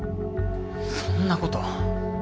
そんなこと。